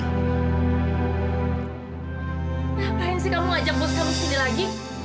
ngapain sih kamu ngajak bos kamu ke sini lagi